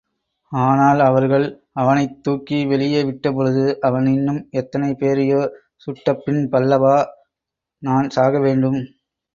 ஆனால் அவர்கள் அவனைத் தூக்கி வெளியே விட்டபொழுது அவன் இன்னும் எத்தனை பேரையோ சுட்டபின்பல்லவா நான் சாகவேண்டும்!